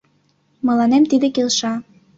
— Мыланем тиде келша.